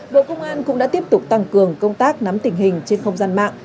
bộ công an cũng đã tiếp tục tăng cường công tác nắm tình hình trên không gian mạng